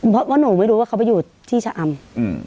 เพราะว่าหนูไม่รู้ว่าเขาไปอยู่ที่ชะอำ